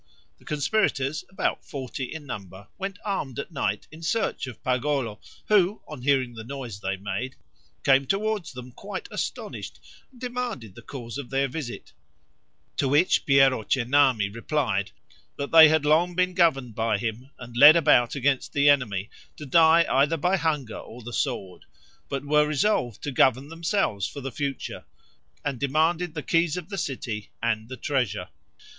The conspirators, about forty in number, went armed at night in search of Pagolo, who, on hearing the noise they made, came toward them quite astonished, and demanded the cause of their visit; to which Piero Cennami replied, that they had long been governed by him, and led about against the enemy, to die either by hunger or the sword, but were resolved to govern themselves for the future, and demanded the keys of the city and the treasure.